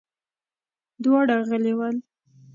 دواړه غلي ول.